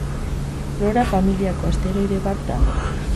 Flora familiako asteroide bat da.